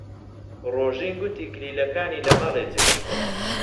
ڕۆژین گوتی کلیلەکانی لە ماڵێ جێهێشتووە.